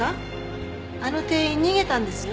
あの店員逃げたんですよ。